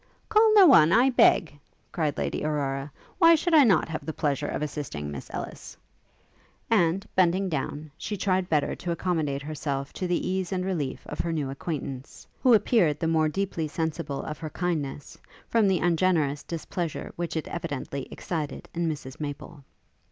'Call no one, I beg!' cried Lady Aurora: 'Why should I not have the pleasure of assisting Miss Ellis?' And, bending down, she tried better to accommodate herself to the ease and relief of her new acquaintance, who appeared the more deeply sensible of her kindness, from the ungenerous displeasure which it evidently excited in Mrs Maple.